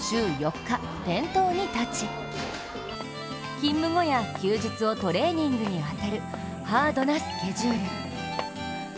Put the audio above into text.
勤務後や休日をトレーニングに充てるハードなスケジュール。